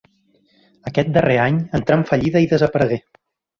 Aquest darrer any entrà en fallida i desaparegué.